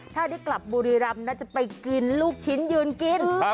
ถ้าได้กลับบุรีรำน่าจะไปกินลูกชิ้นยืนกิน